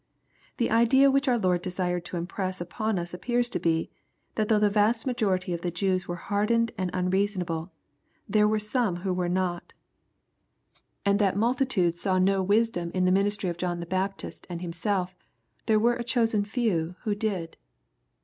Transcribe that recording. The idea which our Lord desired to impress upon us appears to be, that though the vast majority of the Jews were hardened and unreasonable, there were some who wore not, — and that though multitudes saw n« LUKE, CHAP. VII. 231 wisdom in the ministry of John the Baptist and Himself, there were a chosen few who did.